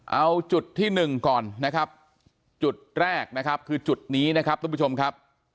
เอาจุดที่หนึ่งก่อนนะครับจุดแรกนะครับคือจุดนี้นะครับทุกผู้ชมครับ